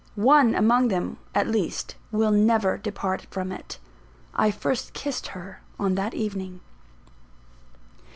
One among them, at least, will never depart from it: I first kissed her on that evening.